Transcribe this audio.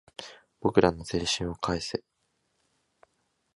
俺らの青春を返せ